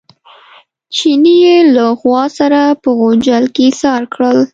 چیني یې له غوا سره په غوجل کې ایسار کړل.